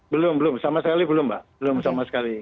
belum belum sama sekali belum mbak belum sama sekali